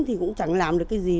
thì cũng chẳng làm được cái gì